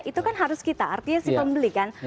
itu kan harus kita artinya si pembeli kan